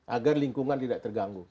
agar lingkungan tidak terganggu